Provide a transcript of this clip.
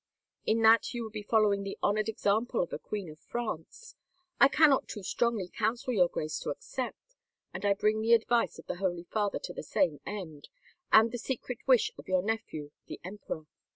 In that you would be following the honored example of a queen of France. I cannot too strongly counsel your Grace to accept, and I bring the advice of the Holy Father to the same end, and the secret wish of your nephew, the emperor.